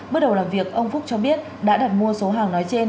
bước đầu làm việc ông phúc cho biết đã đặt mua số hàng nói trên